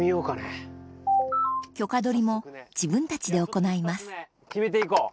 許可どりも自分たちで行います決めていこう。